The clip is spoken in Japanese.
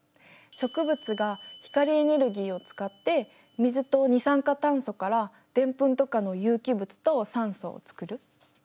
植物が光エネルギーを使って水と二酸化炭素からでんぷんとかの有機物と酸素をつくる。